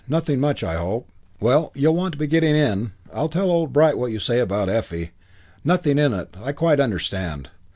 Nothing much, I hope. Well, you'll want to be getting in. I'll tell old Bright what you say about Effie. Nothing in it. I quite understand.